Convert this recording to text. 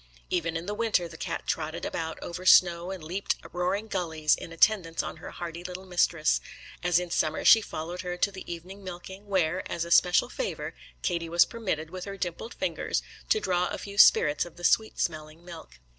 Even in the winter the cat trotted about over snow and leaped roaring gullies, in attendance on her hardy little mistress; as in summer she followed her to the evening milking, where as a special favour Katie was permitted, with her dimpled fingers, to draw a few spirts of the sweet smelling milk.